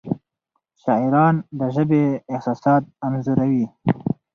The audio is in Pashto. شاعران د ژبې احساسات انځوروي.